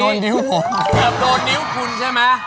เจ็บโดนนิ้วคุณใช่ไหม